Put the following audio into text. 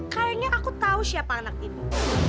kayaknya aku tahu siapa anak ini